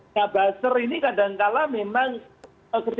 nah buzzer ini kadangkala memang ketika mereka bekerja itu berubah